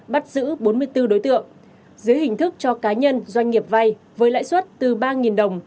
bắt giữ bốn mươi bốn đối tượng dưới hình thức cho cá nhân doanh nghiệp vay với lãi suất từ ba đồng